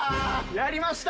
やりました！